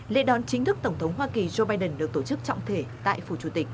lễ đón chính thức tổng thống hoa kỳ joe biden được tổ chức trọng thể tại phủ chủ tịch